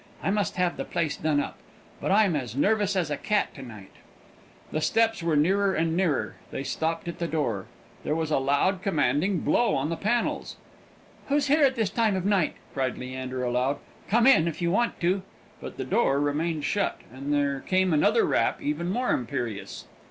"I must have the place done up. But I'm as nervous as a cat to night." The steps were nearer and nearer they stopped at the door there was a loud commanding blow on the panels. "Who's here at this time of night?" cried Leander, aloud. "Come in, if you want to!" But the door remained shut, and there came another rap, even more imperious.